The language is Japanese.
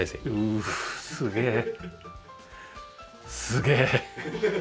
すげえ。